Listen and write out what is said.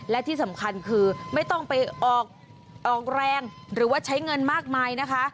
และที่สำคัญคือไม่ต้องไปออกแรงหรือว่าใช้เงินมากมายนะคะ